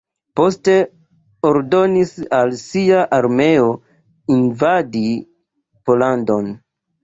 Poste ordonis al sia armeo invadi Pollandon.